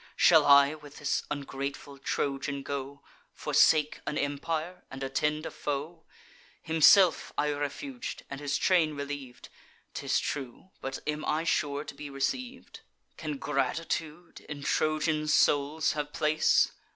Shall I with this ungrateful Trojan go, Forsake an empire, and attend a foe? Himself I refug'd, and his train reliev'd; 'Tis true; but am I sure to be receiv'd? Can gratitude in Trojan souls have place!